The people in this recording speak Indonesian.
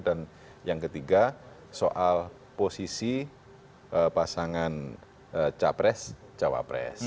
dan yang ketiga soal posisi pasangan cawapres